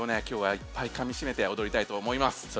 きょうはいっぱいかみしめておどりたいと思います。